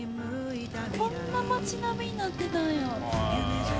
こんな街並みになってたんや。